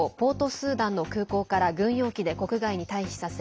スーダンの空港から軍用機で国外に退避させ